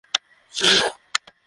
সারাদিন লাগাবি নাকি!